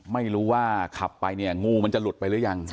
ไม่รู้ว่าขับไปเนี่ยงูมันจะหลุดไปหรือยัง